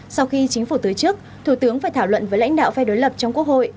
sau khi chính phủ tới chức thủ tướng phải thảo luận với lãnh đạo phe đối lập trong quốc hội